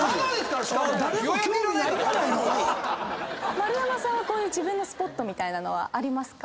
丸山さんはこういう自分のスポットみたいなのはありますか？